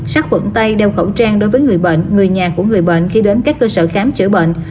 sát khuẩn tay đeo khẩu trang đối với người bệnh người nhà của người bệnh khi đến các cơ sở khám chữa bệnh